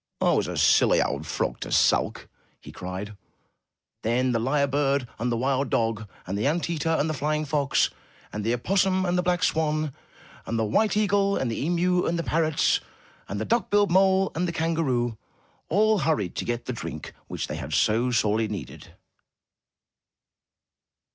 I was a silly old frog to sulk!*' he cried. Then the lyre bird, and the wild dog, and the ant eater, and the flying fox, and the opossum, and the black swan, and the white eagle, and the emu, and the parrots, and the duck billed mole, and the kan garoo all hurried to get the drink which they had so sorely needed.